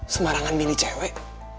semarangan milih cewek